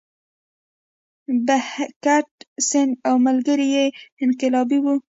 بهګت سینګ او ملګري یې انقلابي وو.